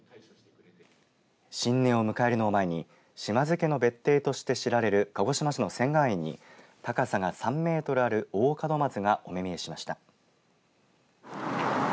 新年を迎えるのを前に島津家の別邸として知られる鹿児島市の仙巌園に高さが３メートルある大門松がお目見えしました。